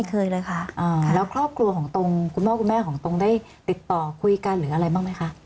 เคยเลยค่ะอ่าแล้วครอบครัวของตรงคุณพ่อคุณแม่ของตรงได้ติดต่อคุยกันหรืออะไรบ้างไหมคะ